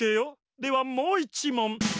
ではもういちもん。